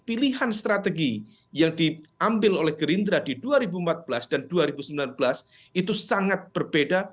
pilihan strategi yang diambil oleh gerindra di dua ribu empat belas dan dua ribu sembilan belas itu sangat berbeda